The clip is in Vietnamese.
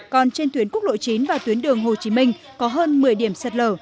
còn trên tuyến quốc lộ chín và tuyến đường hồ chí minh có hơn một mươi điểm sạt lở